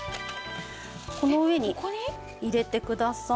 この上に入れてください。